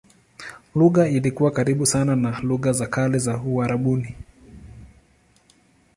Lugha ilikuwa karibu sana na lugha za kale za Uarabuni.